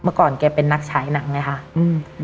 เมื่อก่อนแกเป็นนักฉายหนังไงค่ะอืม